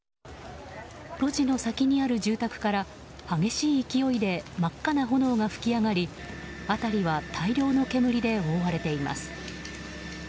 路地の先にある住宅から激しい勢いで真っ赤な炎が噴き上がり辺りは大量の煙で覆われています。